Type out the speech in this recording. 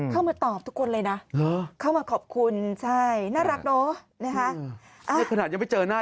เข้ามาตอบทุกคนเลยนะเข้ามาขอบคุณใช่น่ารักเริ่มนะฮะ